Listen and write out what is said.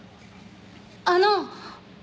あの！